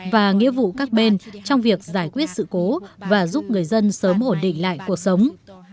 và nghĩa vụ các bên trong việc giải quyết sự cố và giúp người dân sớm ổn định lại cuộc sống